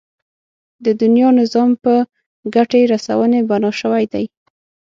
د دنيا نظام په ګټې رسونې بنا شوی دی.